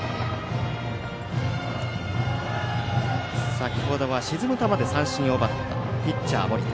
先ほどは沈む球で三振を奪ったピッチャー盛田。